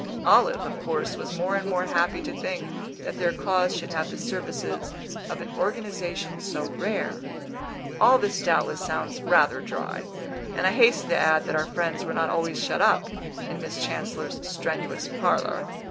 Olive, of course, was more and more happy to think that their cause should have the services of an organisation so rare. All this doubtless sounds rather dry, and I hasten to add that our friends were not always shut up in Miss Chancellor's strenuous parlour.